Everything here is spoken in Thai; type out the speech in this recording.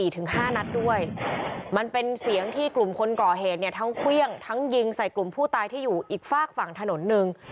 ๕นัดด้วยมันเป็นเสียงที่กลุ่มคนก่อเหตุเนี่ยทั้งเครื่องทั้งยิงใส่กลุ่มผู้ตายที่อยู่อีกฝากฝั่งถนนหนึ่ง